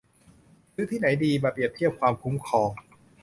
ซื้อที่ไหนดี มาเปรียบเทียบความคุ้มครอง